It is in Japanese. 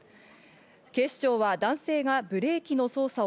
警視庁は男性がブレーキの操作を